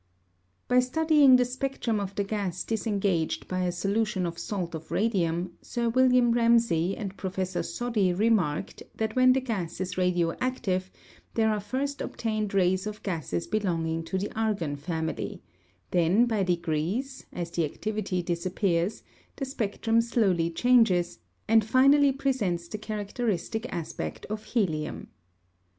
By studying the spectrum of the gas disengaged by a solution of salt of radium, Sir William Ramsay and Professor Soddy remarked that when the gas is radioactive there are first obtained rays of gases belonging to the argon family, then by degrees, as the activity disappears, the spectrum slowly changes, and finally presents the characteristic aspect of helium.